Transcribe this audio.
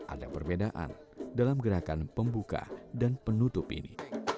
ada perbedaan dalam gerakan pembuka dan penutup ini